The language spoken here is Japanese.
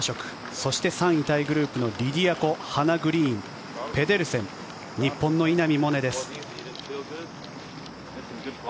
そして３位タイグループのリディア・コ、ハナ・グリーンペデルセン日本の稲見萌寧です。